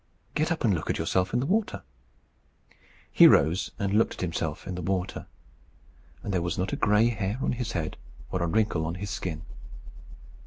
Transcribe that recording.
"Get up and look at yourself in the water." He rose and looked at himself in the water, and there was not a gray hair on his head or a wrinkle on his skin.